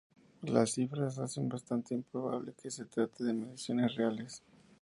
Las cifras hacen bastante improbable que se trate de mediciones reales.